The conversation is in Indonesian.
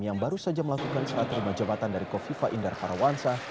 yang baru saja melakukan serat terima jabatan dari kofifa indar parawansa